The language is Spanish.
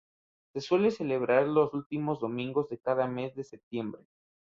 Se suele celebrar los últimos domingos de cada mes de septiembre.